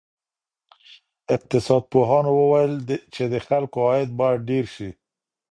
اقتصاد پوهانو وویل چې د خلکو عاید باید ډېر سي.